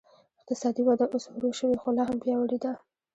اقتصادي وده اوس ورو شوې خو لا هم پیاوړې ده.